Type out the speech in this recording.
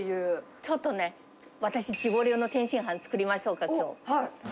ちょっとね、私、自己流の天津飯作りましょうか。